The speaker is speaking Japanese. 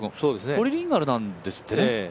トリリンガルなんですってね。